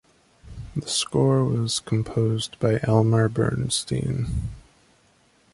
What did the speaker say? The score was composed by Elmer Bernstein.